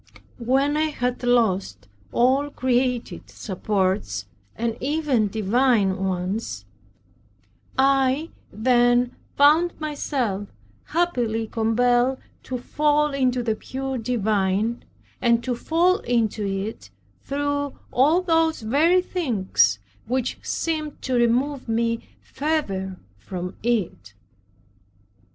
When I had lost all created supports, and even divine ones, I then found myself happily compelled to fall into the pure divine, and to fall into it through all those very things which seemed to remove me further from it.